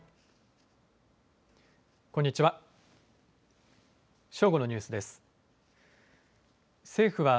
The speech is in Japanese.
こんにちは。